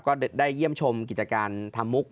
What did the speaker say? ก็ได้เยี่ยมชมกิจการทำมุก